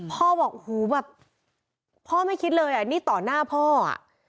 พ่อบอกโอ้โหแบบพ่อไม่คิดเลยอ่ะนี่ต่อหน้าพ่ออ่ะ